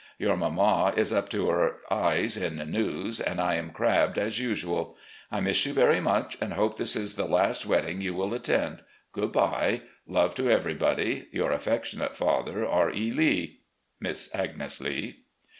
Your mamma is up to her eyes in news, and I am crabbed as usual. I miss you very much and hope this is the last wedding you will attend. Good bye. Love to everybody. " Your affectionate father, R. E. Lee. "Miss Agnes Lee."